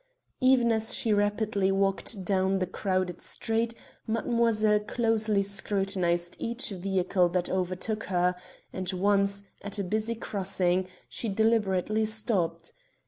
Even as she rapidly walked down the crowded street mademoiselle closely scrutinised each vehicle that overtook her, and once, at a busy crossing, she deliberately stopped.